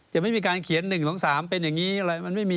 แต่ไม่มีการเขียน๑๒๓เป็นอย่างนี้เลย